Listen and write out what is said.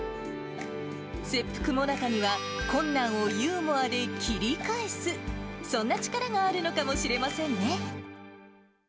切腹最中には、困難をユーモアで切り返す、そんな力があるのかもしれませんね。